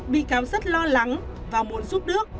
bị cáo rất lo lắng và muốn giúp đức